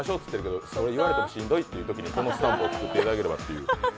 そう言われてもしんどいというときにこのスタンプを使っていただければという。